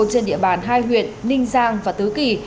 trên địa bàn hai huyện ninh giang và tứ kỳ